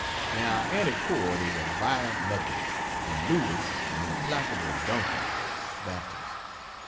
Now, Aunty Cord is a violent Methodist and Lewis an implacable Dunker Baptist.